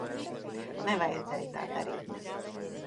Nevajadzēja tā darīt.